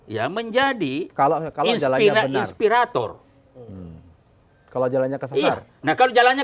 yang menjadi kalau kalau jalannya inspirator kalau jalannya kesel sel nah kalau jalannya